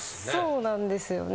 そうなんですよね。